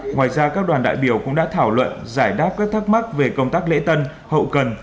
ngoài ra các đoàn đại biểu cũng đã thảo luận giải đáp các thắc mắc về công tác lễ tân hậu cần